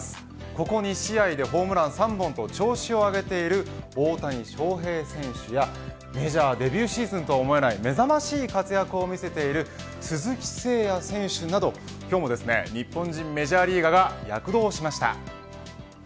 ここ２試合でホームラン３本と調子を上げている大谷翔平選手やメジャーデビューシーズンと思えないめざましい活躍を見せている鈴木誠也選手など今日も日本人メジャーリーガーが躍動しました。